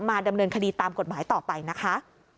ดำเนินคดีตามกฎหมายต่อไปนะคะ